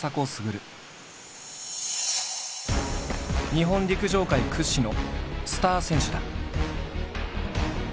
日本陸上界屈指のスター選手だ。